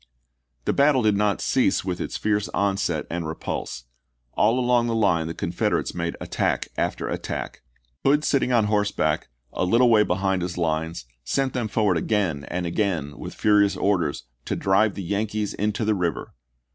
The battle did not cease with this fierce onset and repulse. All along the line the Confederates made attack after attack. Hood sitting on horseback, a little way behind his lines, sent them forward again and again with furious orders " to drive the Yankees into the river."